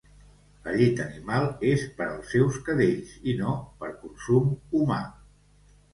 La llet animal és per els seus cadells i no per consum humà